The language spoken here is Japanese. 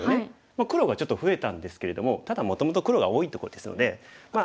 黒がちょっと増えたんですけれどもただもともと黒が多いところですのでまあ